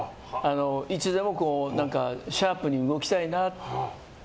いつでもシャープに動きたいなって。